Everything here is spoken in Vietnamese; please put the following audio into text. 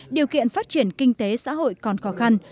điều kiện phát triển kinh tế xã hội còn khó khăn